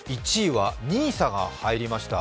１位はＮＩＳＡが入りました。